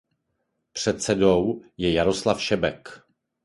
Předsedou je Jaroslav Šebek.